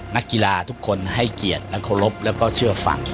นักกีฬาทุกคนให้เกียรติและเคารพแล้วก็เชื่อฟัง